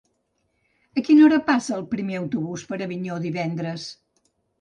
A quina hora passa el primer autobús per Avinyó divendres?